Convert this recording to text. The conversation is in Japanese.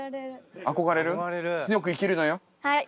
はい。